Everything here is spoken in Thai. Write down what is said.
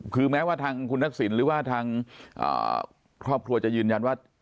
คือแม้ว่าทางคุณทักษิณหรือว่าทางครอบครัวจะยืนยันว่า